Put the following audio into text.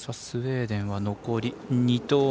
スウェーデンは残り２投。